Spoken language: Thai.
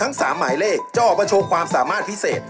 ทั้ง๓หมายเลขจะออกมาโชว์ความสามารถพิเศษ